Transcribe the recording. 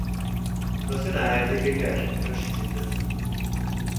Dozena erdi piper erosi zituen.